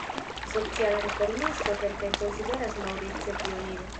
Sociala reformisto, kelkaj konsideras Maurice pioniro.